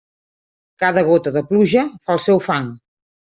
Cada gota de pluja fa el seu fang.